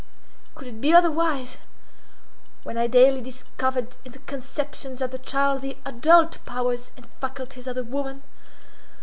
Could it be otherwise, when I daily discovered in the conceptions of the child the adult powers and faculties of the woman?